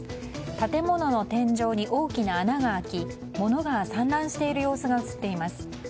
建物の天井に大きな穴が開き物が散乱している様子が映っています。